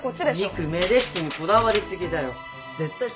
ミクめでっちにこだわりすぎだよ。